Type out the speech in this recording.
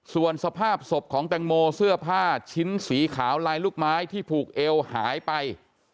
ส่วนสภาพศพของแตงโมเสื้อผ้าชิ้นสีขาวลายลูกไม้ที่ผูกเอวหายไป